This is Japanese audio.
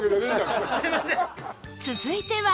続いては